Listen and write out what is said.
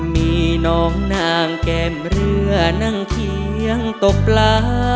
มีน้องนางแก้มเรือนั่งเคียงตกปลา